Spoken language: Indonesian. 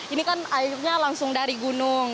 ini kan airnya langsung dari gunung